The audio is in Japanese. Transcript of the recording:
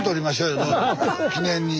記念にね。